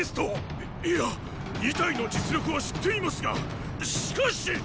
⁉いっいや二隊の実力は知っていますがしかしっ！